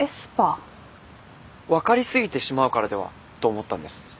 分かり過ぎてしまうからではと思ったんです。